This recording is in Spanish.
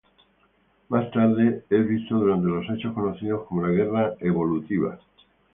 Más tarde es visto durante los hechos conocidos como la Guerra Evolutiva.